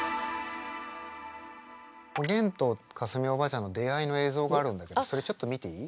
おげんと架純おばあちゃんの出会いの映像があるんだけどそれちょっと見ていい？